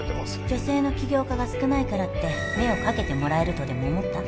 女性の起業家が少ないからって目をかけてもらえるとでも思った？